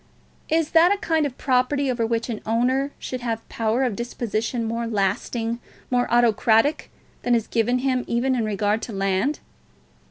Is that a kind of property over which an owner should have a power of disposition more lasting, more autocratic, than is given him even in regard to land?